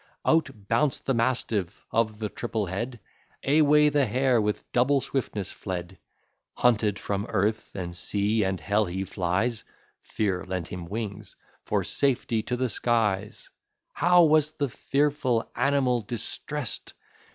Out bounced the mastiff of the triple head; Away the hare with double swiftness fled; Hunted from earth, and sea, and hell, he flies (Fear lent him wings) for safety to the skies. How was the fearful animal distrest!